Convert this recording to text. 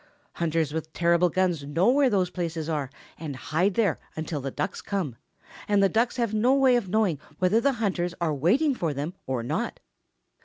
Hunters with terrible guns know where those places are and hide there until the Ducks come, and the Ducks have no way of knowing whether the hunters are waiting for them or not.